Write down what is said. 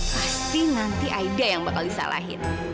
pasti nanti aida yang bakal disalahin